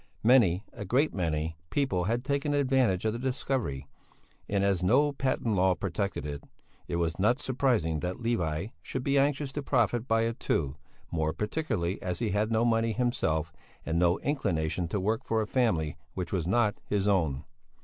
Many, a great many, people had taken advantage of the discovery, and as no patent law protected it, it was not surprising that Levi should be anxious to profit by it, too, more particularly as he had no money himself and no inclination to work for a family which was not his own.